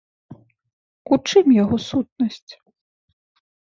У чым яго сутнасць?